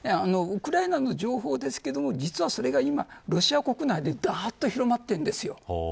ウクライナの情報ですけども実はそれが今ロシア国内で広まってるんです。